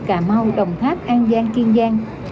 cà mau đồng tháp an giang kiên giang